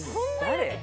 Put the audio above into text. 誰？